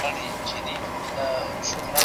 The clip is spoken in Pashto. زه له سهاره نان خورم